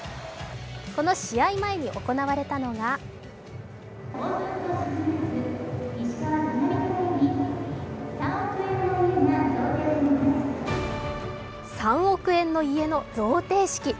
この試合前に行われたのが３億円の家の贈呈式。